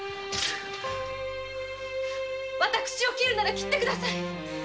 私を切るなら切って下さい。